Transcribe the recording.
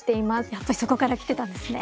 やっぱりそこから来てたんですね。